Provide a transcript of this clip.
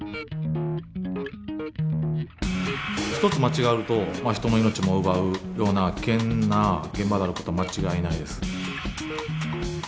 一つ間違えると人の命も奪うような危険な現場であることは間違いないです。